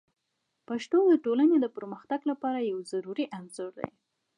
پښتو د ټولنې د پرمختګ لپاره یو ضروري عنصر دی.